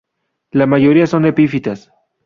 La mayoría son epífitas.